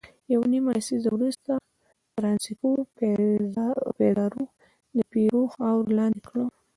یوه نیمه لسیزه وروسته فرانسیسکو پیزارو د پیرو خاوره لاندې کړه.